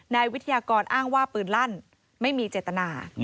นายวิทยากรอ้างว่าปืนลั่นไม่มีเจตนา